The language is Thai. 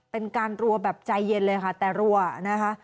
เป็นการรัวแบบใจเย็นเลยค่ะแต่รัวนะคะ